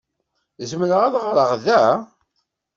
Zemreɣ ad ɣreɣ da?